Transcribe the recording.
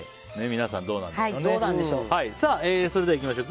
皆さん、どうなんでしょうね。